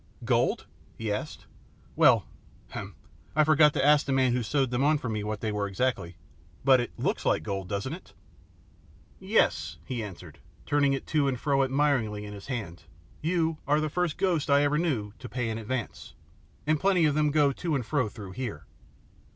"Gold?" he asked. "Well ahem! I forgot to ask the man who sewed them on for me what they were exactly, but it looks like gold, doesn't it?" "Yes," he answered, turning it to and fro admiringly in his hand, "you are the first ghost I ever knew to pay in advance, and plenty of them go to and fro through here.